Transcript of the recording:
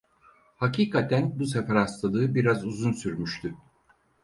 Hakikaten bu sefer hastalığı biraz uzun sürmüştü.